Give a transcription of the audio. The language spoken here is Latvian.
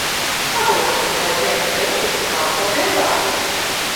Padomi, lai ziemas riepas kalpotu ilgāk.